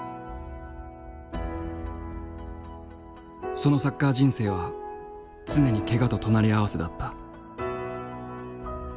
そのサッカー人生は常にけがと隣り合わせだった。